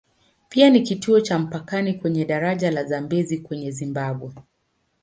Pia ni kituo cha mpakani kwenye daraja la Zambezi kwenda Zimbabwe.